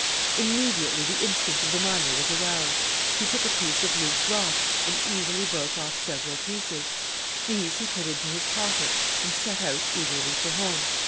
Immediately the instinct of the miner was aroused. He took a piece of loose rock and easily broke off several pieces. These he put into his pockets, and set out eagerly for home.